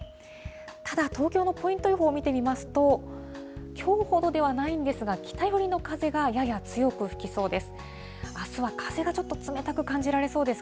ただ東京のポイント予報を見てみますと、きょうほどではないんですが、北寄りの風がやや強く吹きそうです。